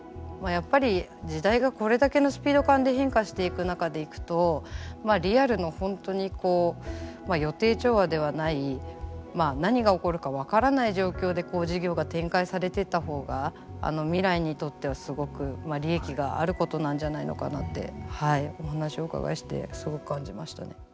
まあやっぱり時代がこれだけのスピード感で変化していく中でいくとまあリアルの本当にこう予定調和ではない何が起こるか分からない状況で事業が展開されてった方が未来にとってはすごく利益があることなんじゃないのかなってお話をお伺いしてそう感じましたね。